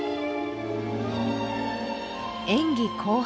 演技後半。